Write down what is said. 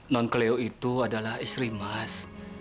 non kelio itu adalah istri mas